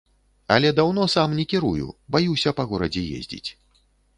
Але даўно сам не кірую, баюся па горадзе ездзіць.